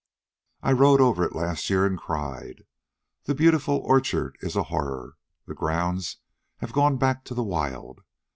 I rode over it last year, and cried. The beautiful orchard is a horror. The grounds have gone back to the wild.